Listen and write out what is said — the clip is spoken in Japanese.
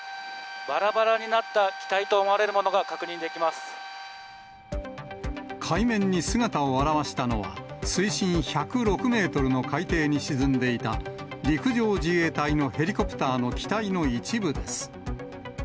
ばらばらになった機体と思われる海面に姿を現したのは、水深１０６メートルの海底に沈んでいた、陸上自衛隊のヘリコプターの機体の一部です。